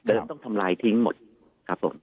ต้องทำลายทิ้งหมดครับผม